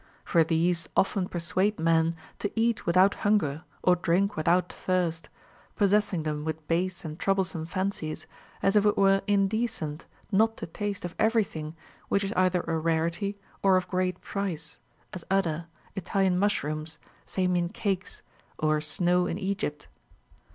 For these often persuade men to eat without hunger or drink without thirst, possessing them with base and trouble some fancies, as if it were indecent not to taste of every thing Avhicli is either a rarity or of great price, as udder, Italian mushrooms, Samian cakes, or snow in Egypt.